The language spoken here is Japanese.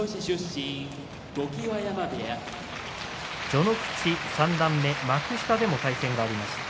序ノ口、三段目幕下でも対戦がありました。